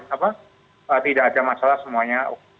apa tidak ada masalah semuanya